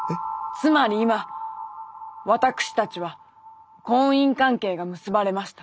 つまり今私たちは婚姻関係が結ばれました。